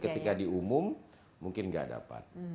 tapi ketika diumum mungkin nggak dapat